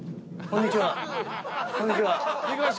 こんにちは。